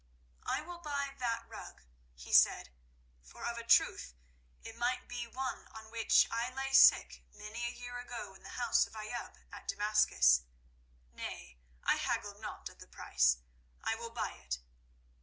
"I will buy that rug," he said, "for of a truth it might be one on which I lay sick many a year ago in the house of Ayoub at Damascus. Nay, I haggle not at the price. I will buy it."